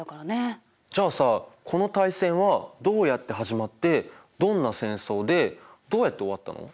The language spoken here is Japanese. じゃあさこの大戦はどうやって始まってどんな戦争でどうやって終わったの？